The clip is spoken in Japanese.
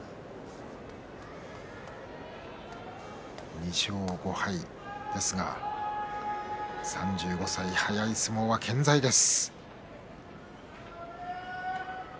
２勝５敗ですが３５歳速い相撲は健在です。